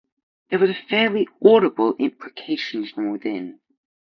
There was a fairly audible imprecation from within.